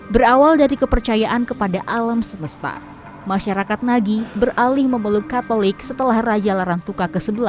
berawal dari kepercayaan kepada alam semesta masyarakat nagi beralih memeluk katolik setelah raja larang tuka ke sebelas